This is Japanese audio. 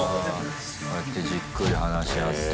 こうやってじっくり話し合って。